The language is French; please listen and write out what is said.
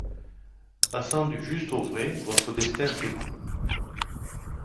Passant du juste au vrai, votre destin s'écoule